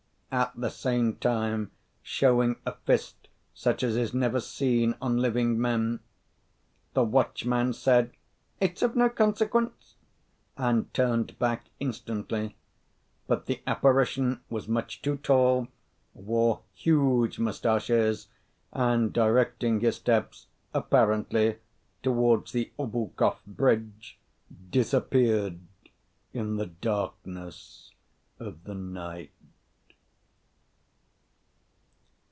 at the same time showing a fist such as is never seen on living men. The watchman said, "It's of no consequence," and turned back instantly. But the apparition was much too tall, wore huge moustaches, and, directing its steps apparently towards the Obukhoff bridge, disappeared in the darkness of the night.